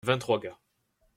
Vingt-trois gars.